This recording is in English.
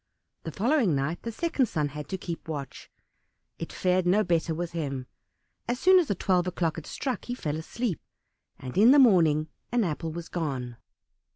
The following night the second son had to keep watch, it fared no better with him; as soon as twelve o'clock had struck he fell asleep, and in the morning an apple was gone.